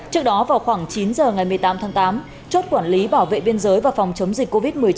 trước đó vào khoảng chín giờ ngày một mươi tám tháng tám chốt quản lý bảo vệ biên giới và phòng chống dịch covid một mươi chín